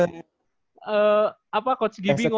sama dipra juga lucu juga maksudnya